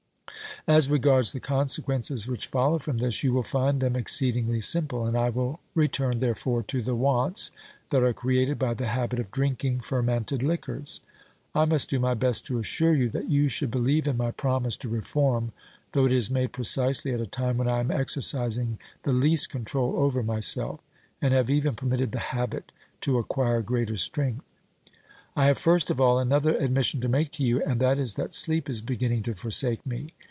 As regards the consequences which follow from this, you will find them exceedingly simple, and I will return, therefore, to the wants that are created by the habit of drinking fermented liquors. I must do my best to assure you that you should believe in my promise to reform, though it is made precisely at a time when I am exercising the least control over myself, and have even permitted the habit to acquire greater strength. I have first of all another admission to make to you, and that is that sleep is beginning to forsake me.